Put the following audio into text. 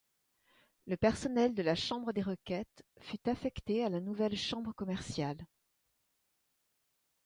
Le personnel de la chambre des requêtes fut affecté à la nouvelle chambre commerciale.